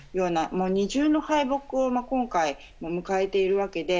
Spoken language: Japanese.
二重の敗北を今回、迎えているわけで。